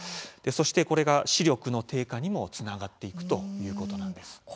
そして視力の低下にもつながっていくということなんです。